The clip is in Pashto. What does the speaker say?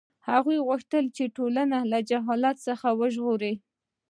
هغه غوښتل چې ټولنه له جهالت څخه وژغوري.